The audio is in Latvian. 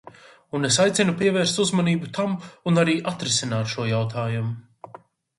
Un es aicinu pievērst uzmanību tam un arī atrisināt šo jautājumu.